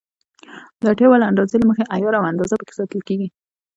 د اړتیا وړ اندازې له مخې عیار او اندازه پکې ساتل کېږي.